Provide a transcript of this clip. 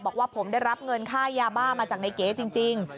บอกว่าผมได้รับเงินค่ายาบ้ามาจากในเก๋จริง